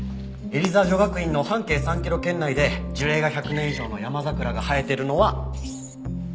エリザ女学院の半径３キロ圏内で樹齢が１００年以上のヤマザクラが生えてるのは。